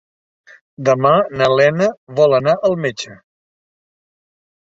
Demà na Lena vol anar al metge.